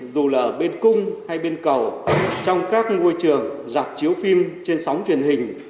dù là bên cung hay bên cầu trong các nguôi trường rạp chiếu phim trên sóng truyền hình